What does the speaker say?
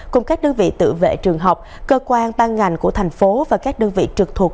cùng các đơn vị tự vệ trường học cơ quan ban ngành của thành phố và các đơn vị trực thuộc